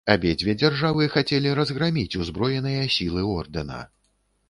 Абедзве дзяржавы хацелі разграміць узброеныя сілы ордэна.